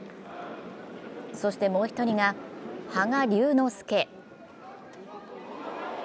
そして、もう１人が羽賀龍之介。